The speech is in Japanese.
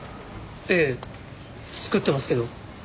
ええ作ってますけど。